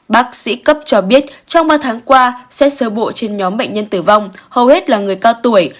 bác sĩ cấp cho biết trong ba tháng qua xét sơ bộ trên nhóm bệnh nhân tử vong hầu hết là người cao tuổi